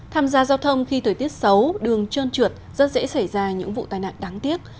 tham gia giao thông khi thời tiết xấu đường trơn trượt rất dễ xảy ra những vụ tai nạn đáng tiếc